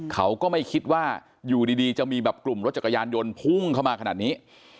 เขาก็ไม่คิดว่าอยู่ดีจะมีแบบกลุ่มรถจักรยานยนต์พุ่งเข้ามาขนาดนี้